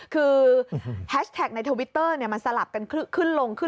คือแฮชแท็กในทวิตเตอร์มันสลับกันขึ้นลงขึ้น